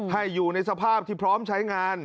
ให้อยู่ในสภาพที่พร้อมใช้งาน